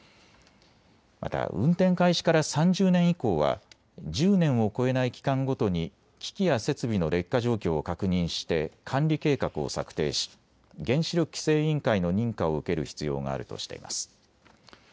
また運転開始から３０年以降は１０年を超えない期間ごとに機器や設備の劣化状況を確認して管理計画を策定し原子力規制委員会の認可を受ける必要があるとしています。